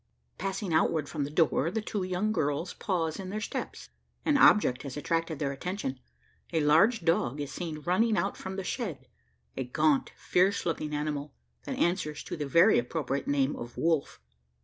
Passing outward from the door, the two young girls pause in their steps: an object has attracted their attention. A large dog is seen running out from the shed a gaunt fierce looking animal, that answers to the very appropriate name of "Wolf."